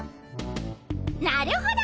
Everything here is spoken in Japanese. なるほど。